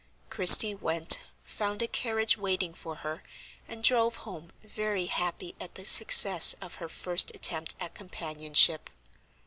Christie went, found a carriage waiting for her, and drove home very happy at the success of her first attempt at companionship.